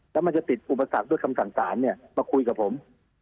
แล้วมันจะติดอุปสรรคด้วยคำสั่งสารมาคุยกับผม